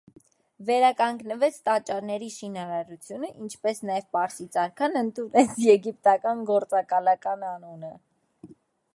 Վերականգնվեց տաճարների շինարարությունը, ինչպես նաև պարսից արքան ընդունեց եգիպտական գահակալական անունը։